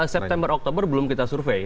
september oktober belum kita survei